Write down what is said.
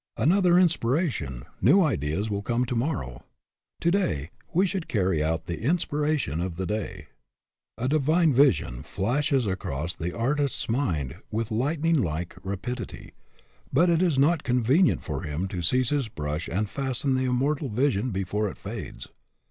Another inspiration, new ideas will come to morrow. To day we should carry out the inspiration of the day. A divine vision flashes across the artist's mind with lightning like rapidity, but it is not convenient for him to seize his brush and fasten the immortal vision before it fades.